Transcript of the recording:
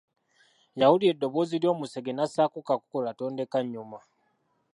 Yawulira eddoboozi ly’omusege n’assaako kakokola tondekannyuma.